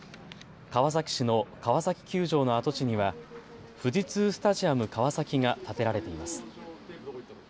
川崎市の川崎球場の跡地には富士通スタジアム川崎が建てられています。